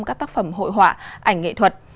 các tác phẩm hội họa ảnh nghệ thuật